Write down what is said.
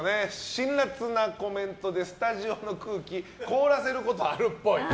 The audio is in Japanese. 辛辣なコメントでスタジオの空気凍らせることあるっぽい。